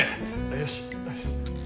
よしよし。